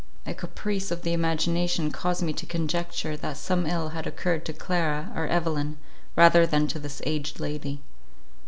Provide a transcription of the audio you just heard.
A caprice of the imagination caused me to conjecture that some ill had occurred to Clara or Evelyn, rather than to this aged lady.